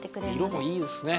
色もいいですね。